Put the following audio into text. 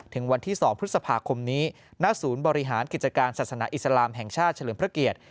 ถึงวันที่๒พฤษภาคมนี้ณศูนย์บริหารกิจการศาสนาอิสลามแห่งชาติเฉลิมพระเกียรติ